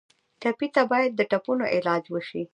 ټپي ته باید د ټپونو علاج وشي.